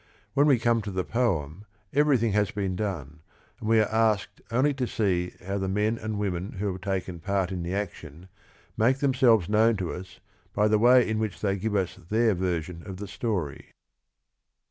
When we come to the poem everything has been done and we are asked only to see how the men and women who have taken part in the action make themselves known to us by the way in which they give us their version of the story.